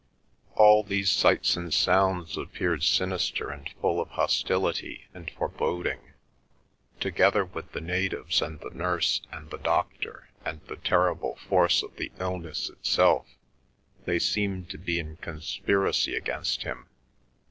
All these sights and sounds appeared sinister and full of hostility and foreboding; together with the natives and the nurse and the doctor and the terrible force of the illness itself they seemed to be in conspiracy against him.